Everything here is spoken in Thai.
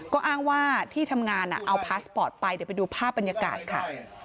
ก็อ้างว่าที่ทำงานเอาพาสปอร์ตไปเดี๋ยวไปดูภาพบรรยากาศค่ะ